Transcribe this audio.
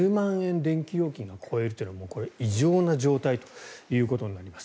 電気料金超えるというのはもうこれは異常な状態ということになります。